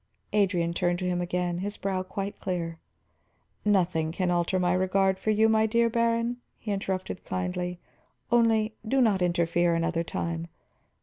Adrian turned to him again, his brow quite clear. "Nothing can alter my regard for you, my dear baron," he interrupted kindly. "Only, do not interfere another time.